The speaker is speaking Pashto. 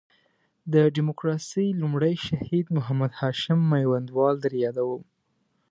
د ډیموکراسۍ لومړی شهید محمد هاشم میوندوال در یادوم.